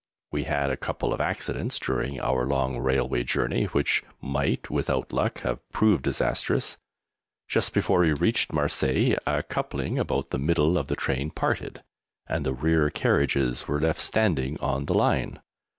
We had a couple of accidents during our long railway journey which might, without luck, have proved disastrous. Just before we reached Marseilles a coupling about the middle of the train parted, and the rear carriages were left standing on the line.